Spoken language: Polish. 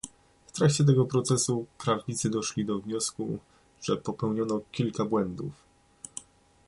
W trakcie tego procesu, prawnicy doszli do wniosku, że popełniono kilka błędów